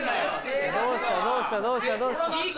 どうしたどうしたどうした！